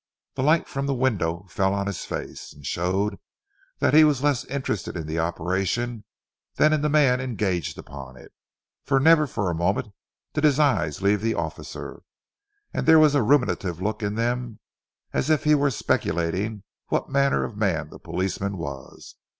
The light from the window fell on his face and showed that he was less interested in the operation than in the man engaged upon it, for never for a moment did his eyes leave the officer, and there was a ruminative look in them, as if he were speculating what manner of man the policeman was.